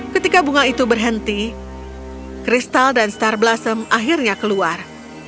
ketika bunga itu berhenti kristal dan star blossom akhirnya keluar